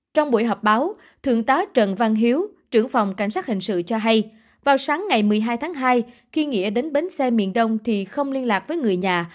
trong buổi họp báo thượng tá trần văn hiếu trưởng phòng cảnh sát hình sự cho hay vào sáng ngày một mươi hai tháng hai khi nghĩa đến bến xe miền đông thì không liên lạc với người nhà